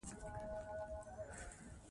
افغانستان کې پسه د هنر په اثار کې منعکس کېږي.